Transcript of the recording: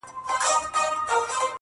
او له مشرانو او ملکانو سره مې